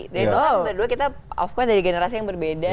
dan itu kan berdua kita of course dari generasi yang berbeda